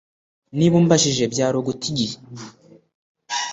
Niba umbajije byari uguta igihe